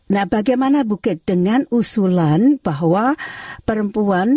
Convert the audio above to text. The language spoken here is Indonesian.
nah bagaimana bukit dengan usulan bahwa perempuan